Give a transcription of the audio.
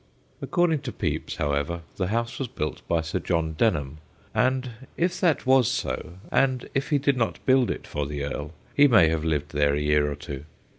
According to Pepys, however, the house was built by Sir John Denham, and if that was so, and if he did not build it for the earl, he may have lived there a year or two.